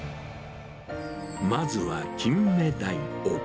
まずはキンメダイを。